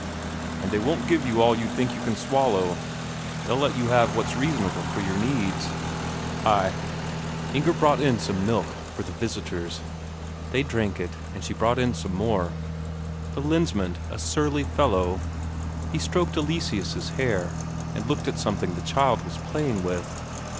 "And they won't give you all you think you can swallow; they'll let you have what's reasonable for your needs." "Ay." Inger brought in some milk for the visitors; they drank it, and she brought in some more. The Lensmand a surly fellow? He stroked Eleseus' hair, and looked at something the child was playing with.